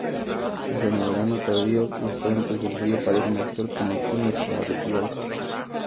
En el verano tardío los frentes de frío parecen actuar como estímulos para retirarse.